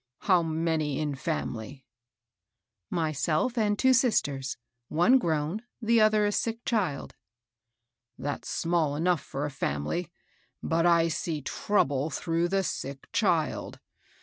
How many in family?" " Myself and two sisters, — one grown, the other a sick child." " That's small enough for a family ; but I see trouble through the sick child.